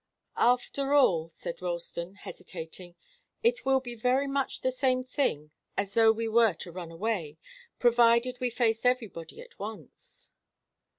"After all," said Ralston, hesitating, "it will be very much the same thing as though we were to run away, provided we face everybody at once."